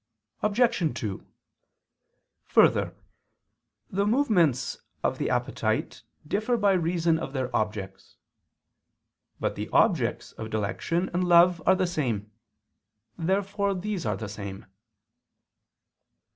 Obj. 2: Further, the movements of the appetite differ by reason of their objects. But the objects of dilection and love are the same. Therefore these are the same.